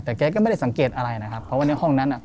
แต่แกก็ไม่ได้สังเกตอะไรนะครับเพราะว่าในห้องนั้น